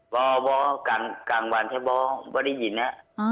บ่บ่กลางวันใช่บ่บ่ได้ยินนะ